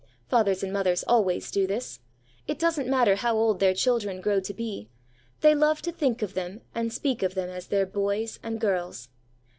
Fathers and mothers always do this. It doesn't matter how old their children grow to be, they love to think of them, and speak of them as their "boys" and "girls."